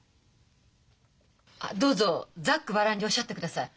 あっどうぞざっくばらんにおっしゃってください。